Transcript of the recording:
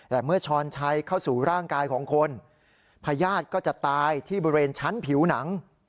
แต่เมื่อช้อนชัยเข้าสู่ร่างกายของคนพญาติก็จะตายที่บริเวณชั้นผิวหนัง